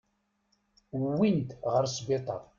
Wwin-t ɣer sbiṭar.